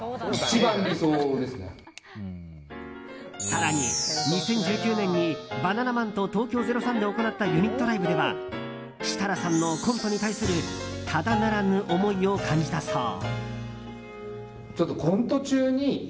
更に、２０１９年にバナナマンと東京０３で行ったユニットライブでは設楽さんのコントに対するただならぬ思いを感じたそう。